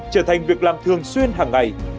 trở thành việc làm thường xuyên hàng ngày